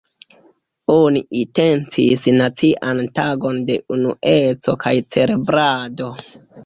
Oni intencis nacian tagon de unueco kaj celebrado.